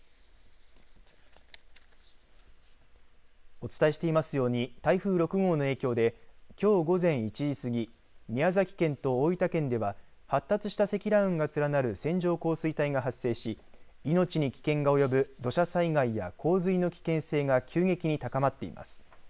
お伝えしていますように台風６号の影響できょう午前１時過ぎ宮崎県と大分県では発達した積乱雲が連なる線状降水帯が発生し命に危険が及ぶ土砂災害や洪水の危険性が急激に高まっています。